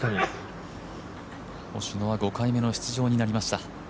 星野は５回目の出場になりました。